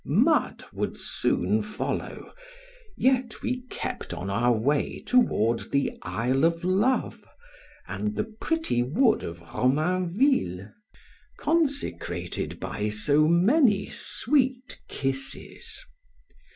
Mud would soon follow; yet we kept on our way toward the Isle of Love and the pretty wood of Romainville consecrated by so many sweet kisses.